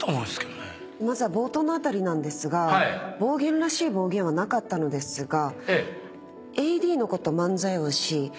まずは冒頭の辺りなんですが暴言らしい暴言はなかったのですが。